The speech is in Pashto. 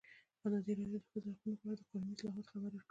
ازادي راډیو د د ښځو حقونه په اړه د قانوني اصلاحاتو خبر ورکړی.